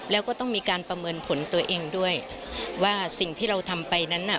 แล้วก็ต้องมีการประเมินผลตัวเองด้วยว่าสิ่งที่เราทำไปนั้นน่ะ